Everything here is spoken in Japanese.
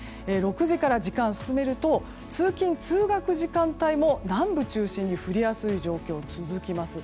６時から時間を進めると通勤・通学時間帯も南部中心に降りやすい状況続きます。